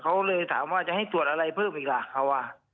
เขาเลยถามว่าจะให้ตรวจอะไรเพิ่มอีกล่ะเขาว่า